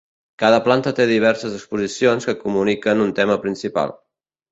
Cada planta té diverses exposicions que comuniquen un tema principal.